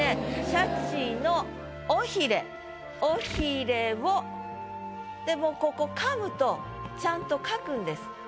「シャチの尾ひれ」「尾ひれを」でもうここ「噛む」とちゃんと書くんです。